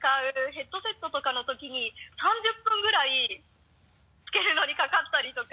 ヘッドセットとかのときに３０分ぐらいつけるのにかかったりとか。